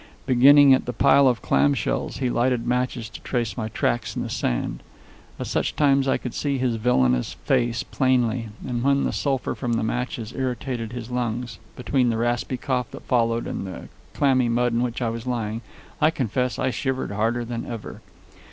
Beginning at the pile of clam shells, he lighted matches to trace my tracks in the sand. At such times I could see his villainous face plainly, and, when the sulphur from the matches irritated his lungs, between the raspy cough that followed and the clammy mud in which I was lying, I confess I shivered harder than ever.